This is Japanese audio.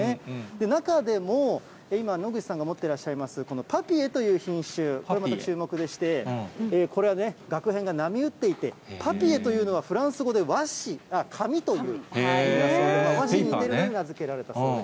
中でも今、野口さんが持っていらっしゃいます、このパピエという品種、これまた注目でして、これはがく片が波うっていて、パピエというのは、フランス語で紙という意味だそうで、和紙に似ているので、名付けられたそうです。